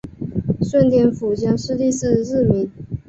顺天府乡试第四十四名。